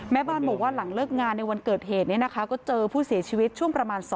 แม่บ้านบอกว่าหลังเลิกงานในวันเกิดเหตุเนี่ยนะคะก็เจอผู้เสียชีวิตช่วงประมาณ